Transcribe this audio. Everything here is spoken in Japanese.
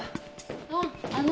あぁあの。